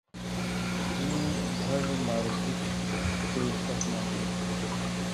ݜَیں بھژہ مرضی چئ سخ مرضی تھی۔